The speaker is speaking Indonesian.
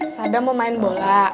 sadam mau main bola